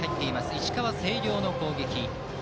石川・星稜の攻撃。